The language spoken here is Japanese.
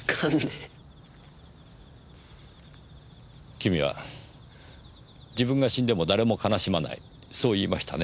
君は自分が死んでも誰も悲しまないそう言いましたね。